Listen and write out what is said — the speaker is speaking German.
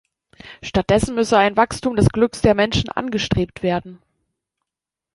Stattdessen müsse ein Wachstum des Glücks der Menschen angestrebt werden.